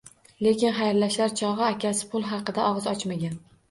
Lekin xayrlashar chogʻi akasi pul haqida ogʻiz ochmagan.